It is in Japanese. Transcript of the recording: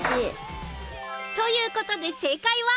という事で正解は。